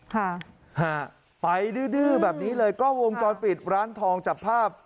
ฮะไปดื้อดื้อแบบนี้เลยกล้องวงจรปิดร้านทองจับภาพ